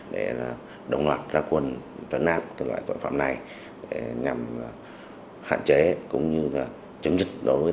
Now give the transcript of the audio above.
để đồng loạt ra quân tấn áp loại tội phạm này nhằm hạn chế cũng như chứng dịch đối với